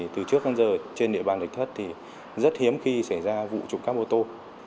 từ trước đến giờ trên địa bàn thạch thất thì rất hiếm khi xảy ra vụ trộm cắp ô tô